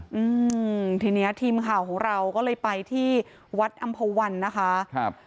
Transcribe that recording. อืมทีเนี้ยทีมข่าวของเราก็เลยไปที่วัดอำภาวันนะคะครับ